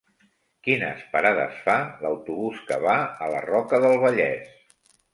Quines parades fa l'autobús que va a la Roca del Vallès?